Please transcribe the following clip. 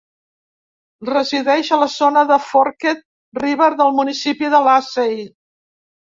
Resideix a la zona de Forked River del municipi de Lacey.